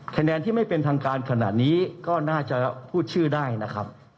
คะแนนที่ไม่เป็นทางการขนาดนี้ก็น่าจะพูดชื่อได้นะครับ